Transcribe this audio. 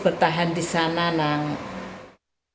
bertahan di sana nang hai hai